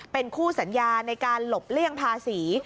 เป็นคู่สัญญาในการหลบเลี่ยงภาษี